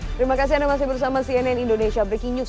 terima kasih anda masih bersama cnn indonesia breaking news